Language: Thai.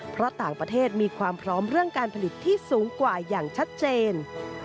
เพราะต่างประเทศมีความพร้อมเรื่องการผลิตที่สูงกว่าอย่างชัดเจน